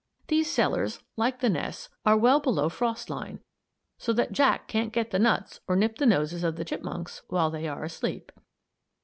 These cellars, like the nests, are well below frost line, so that Jack can't get the nuts or nip the noses of the chipmunks while they are asleep.